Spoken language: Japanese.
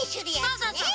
そうそうそう。